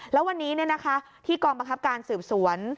แล้ววันนี้ที่กองบังคับการสืบสวน